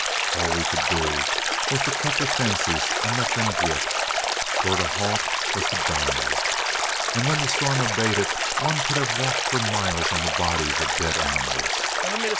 All we could do was to cut the fences and let them drift, for to halt was to die; and when the storm abated one could have walked for miles on the bodies of dead animals.